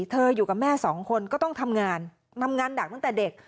อยู่กับแม่สองคนก็ต้องทำงานทำงานหนักตั้งแต่เด็ก